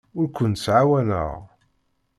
Ur kent-ttɛawaneɣ.